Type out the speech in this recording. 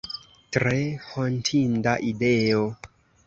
Tre hontinda ideo!